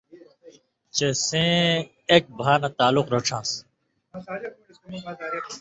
چے سَیں اېک بھا نہ تعلق رڇھان٘س۔